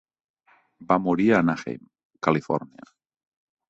Va morir a Anaheim, Califòrnia.